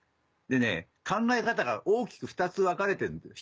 でね考え方が大きく２つ分かれてるんです。